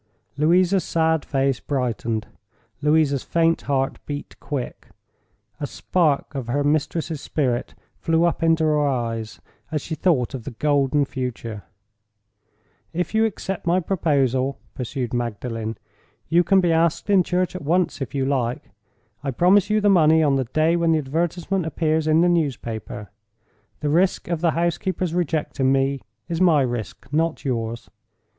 Louisa's sad face brightened; Louisa's faint heart beat quick. A spark of her mistress's spirit flew up into her eyes as she thought of the golden future. "If you accept my proposal," pursued Magdalen, "you can be asked in church at once, if you like. I promise you the money on the day when the advertisement appears in the newspaper. The risk of the housekeeper's rejecting me is my risk—not yours.